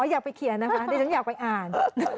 อยากไปเขียนนะคะดิฉันอยากไปอ่าน